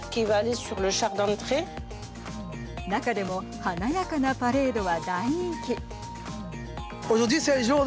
中でも華やかなパレードは大人気。